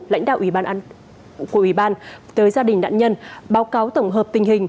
lãnh đạo của ủy ban tới gia đình nạn nhân báo cáo tổng hợp tình hình